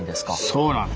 そうなんです。